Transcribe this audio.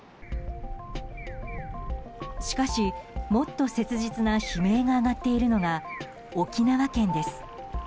しかし、もっと切実な悲鳴が上がっているのが沖縄県です。